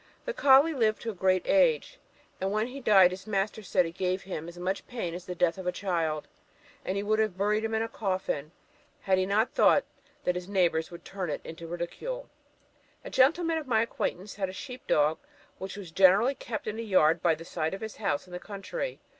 The colley lived to a great age, and when he died, his master said it gave him as much pain as the death of a child; and he would have buried him in a coffin, had he not thought that his neighbours would turn it into ridicule. A gentleman of my acquaintance had a sheep dog, which was generally kept in a yard by the side of his house in the country.